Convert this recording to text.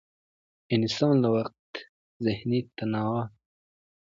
انسان له د وقتي ذهني تناو نه